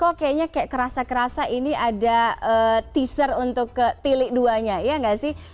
kok kayaknya kayak kerasa kerasa ini ada teaser untuk ke tilik dua nya ya gak sih